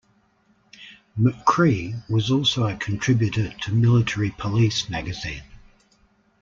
McCree was also a contributor to "Military Police" magazine.